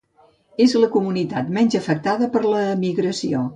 És la comunitat menys afectada per l'emigració.